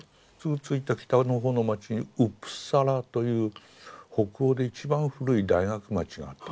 着いた北のほうの町にウプサラという北欧で一番古い大学町があったんです。